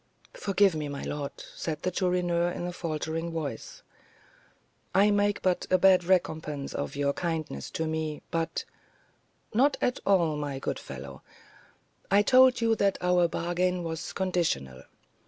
"Forgive me, my lord," said the Chourineur, in a faltering voice; "I make but a bad recompense for all your kindness to me, but " "Not at all, my good fellow; I told you that our bargain was conditional.